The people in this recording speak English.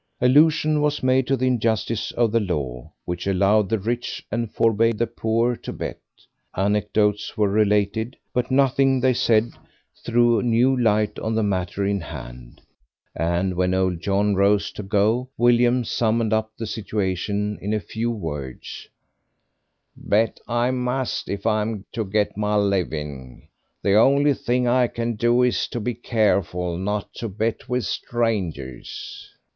Allusion was made to the injustice of the law, which allowed the rich and forbade the poor to bet; anecdotes were related, but nothing they said threw new light on the matter in hand, and when Old John rose to go William summed up the situation in these few words "Bet I must, if I'm to get my living. The only thing I can do is to be careful not to bet with strangers."